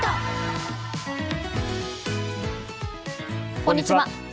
こんにちは。